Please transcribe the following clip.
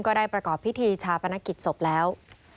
ได้ประกอบพิธีชาปนกิจศพแล้ว